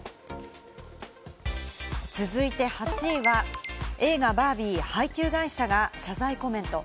続いて８位は、映画『バービー』、配給会社が謝罪コメント。